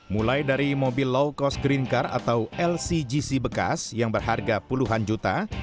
mulai dari mobil low cost green car atau lcgc bekas yang berharga puluhan juta